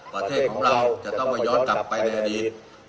ประเทศของเราจะต้องมาย้อนกลับไปในอดีต